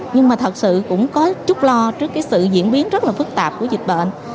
nhưng mà thật sự cũng có chút lo trước sự diễn biến phức tạp của dịch bệnh